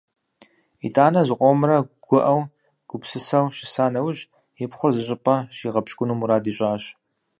ИтӀанэ, зыкъомрэ гуӀэу, гупсысэу щыса нэужь, и пхъур зыщӀыпӀэ щигъэпщкӀуну мурад ищӀащ.